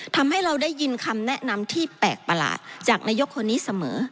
ทำให้เราได้ยินคำแนะนำที่แปลกประหลาดจากนายกคนนี้เสมอ